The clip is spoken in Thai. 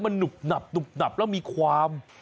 มันหนุบหนับแล้วมีความ